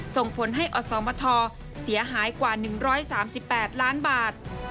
ส่งผลให้อสมทเสียหายกว่า๑๓๘ล้านบาท